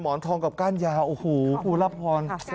นทองกับก้านยาวโอ้โหครูรับพร